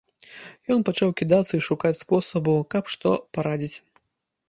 Ён пачаў кідацца і шукаць спосабу, каб што парадзіць.